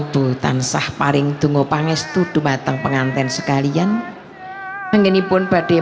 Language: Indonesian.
romo ibu tan sah paring tunggu pangis tuduh batang pengantin sekalian mengenipun badai